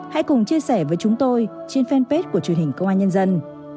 hãy cùng chia sẻ với chúng tôi trên fanpage của truyền hình công an nhân dân